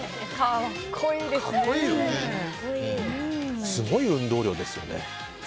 すごい運動量ですよね。